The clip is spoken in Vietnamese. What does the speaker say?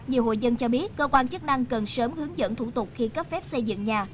nhiều hội dân cho biết cơ quan chức năng cần sớm hướng dẫn thủ tục khi cấp phép xây dựng nhà